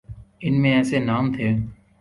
ان میں ایسے نام تھے۔